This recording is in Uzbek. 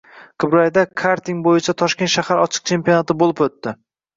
Qibrayda karting bo‘yicha Toshkent shahar ochiq chempionati bo‘lib o‘tding